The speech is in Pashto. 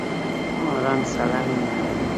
ماران سړه وینه لري